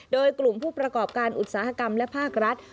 โดยกลุ่มผู้ประกอบการอุตสาหกรรมและภาครัฐ